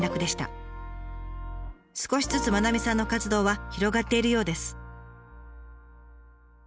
少しずつ愛さんの活動は広がっているようです。